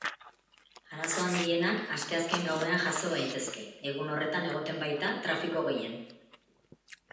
Arazo handienak asteazken gauean jazo daitezke, egun horretan egoten baita trafiko gehien.